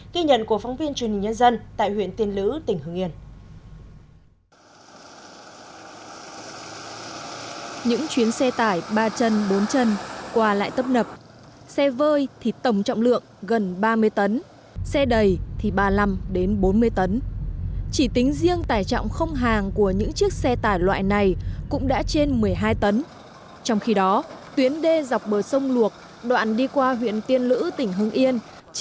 ký nhận của phóng viên truyền hình nhân dân tại huyện tiên lữ tỉnh hương yên